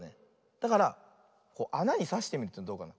だからあなにさしてみるとどうかな。